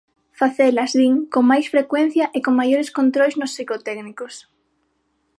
Facelas, din, con máis frecuencia e con maiores controis nos psicotécnicos.